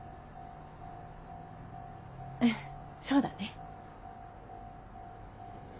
うんそうだね。